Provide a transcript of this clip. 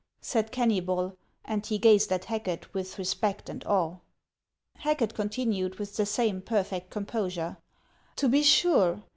" said Kennybol ; and he gazed at Hacket with respect and awe. Hacket continued with the same perfect composure :" To be sure.